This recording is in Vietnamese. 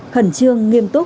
khẩn trương nghiêm trọng